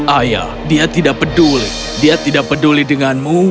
ayah dia tidak peduli dia tidak peduli denganmu